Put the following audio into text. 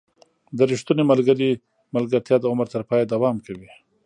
• د ریښتوني ملګري ملګرتیا د عمر تر پایه دوام کوي.